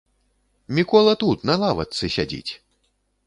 Мікола тут, на лавачцы сядзіць!